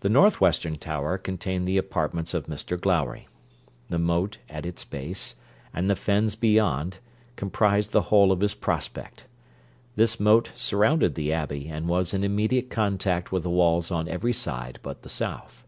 The north western tower contained the apartments of Mr Glowry. The moat at its base, and the fens beyond, comprised the whole of his prospect. This moat surrounded the Abbey, and was in immediate contact with the walls on every side but the south.